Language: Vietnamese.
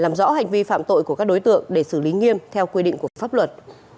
làm rõ hành vi phạm tội của các đối tượng để xử lý nghiêm theo quy định của pháp luật